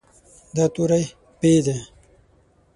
دا توری "پ" دی.